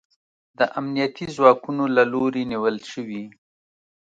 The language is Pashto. د امنیتي ځواکونو له لوري نیول شوی